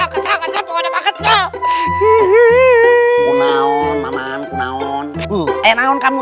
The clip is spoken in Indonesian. kau lupa kita ulang ke dua persatu